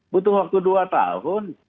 butuh waktu dua tahun